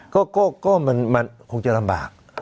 ก็มันคงจะลำบาก